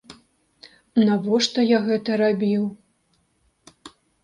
Навошта я гэта рабіў?